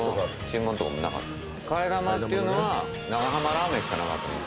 替え玉っていうのは長浜ラーメンしかなかった昔。